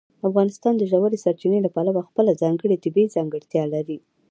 افغانستان د ژورې سرچینې له پلوه خپله ځانګړې طبیعي ځانګړتیا لري.